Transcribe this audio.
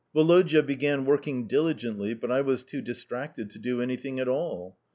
Woloda began working diligently, but I was too distracted to do anything at all.